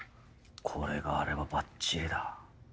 これがあればバッチリだ。